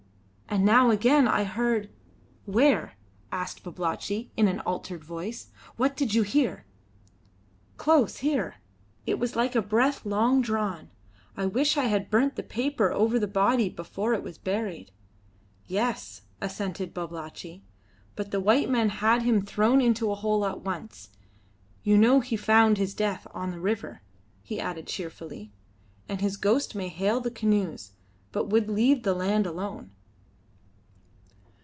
And now again I heard " "Where?" asked Babalatchi, in an altered voice. "What did you hear?" "Close here. It was like a breath long drawn. I wish I had burnt the paper over the body before it was buried." "Yes," assented Babalatchi. "But the white men had him thrown into a hole at once. You know he found his death on the river," he added cheerfully, "and his ghost may hail the canoes, but would leave the land alone."